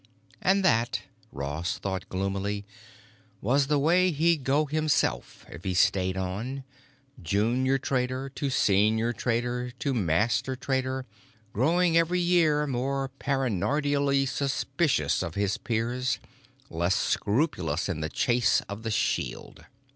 And that, Ross thought gloomily, was the way he'd go himself if he stayed on: junior trader, to senior trader, to master trader, growing every year more paranoidally suspicious of his peers, less scrupulous in the chase of the shield....